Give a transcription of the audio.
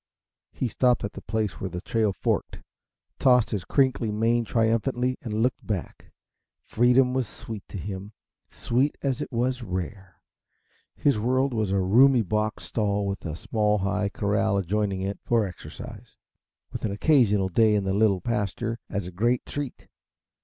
He stopped at the place where the trail forked, tossed his crinkly mane triumphantly and looked back. Freedom was sweet to him sweet as it was rare. His world was a roomy box stall with a small, high corral adjoining it for exercise, with an occasional day in the little pasture as a great treat.